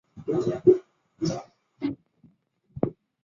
萝岗车辆段是广州地铁六号线的车辆段。